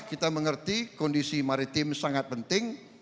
kita mengerti kondisi maritim sangat penting